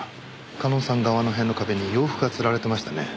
夏音さん側の部屋の壁に洋服がつられてましたね。